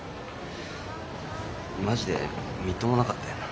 マジでみっともなかったよな。